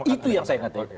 itu yang saya katakan